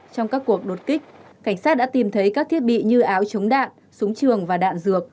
trong các cuộc đột kích cảnh sát đã tìm thấy các thiết bị như áo chống đạn súng trường và đạn dược